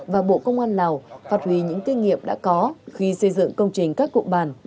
và bộ công an lào phát huy những kinh nghiệm đã có khi xây dựng công trình các cụm bản